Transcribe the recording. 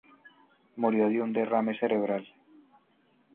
Murió de un derrame cerebral.